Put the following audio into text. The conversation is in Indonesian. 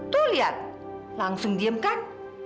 tuh lihat langsung diemkan